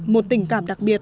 một tình cảm đặc biệt